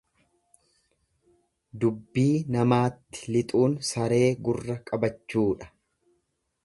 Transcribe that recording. Dubbii namaatti lixuun saree gurra qabachuudha.